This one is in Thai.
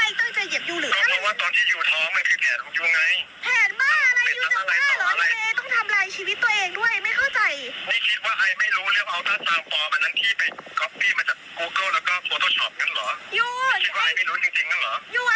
ยูคิดอะไรของยูอยู่อ่ะ